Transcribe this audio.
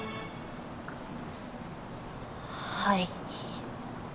はい。